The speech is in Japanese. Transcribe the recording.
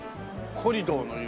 「コリドーの湯」。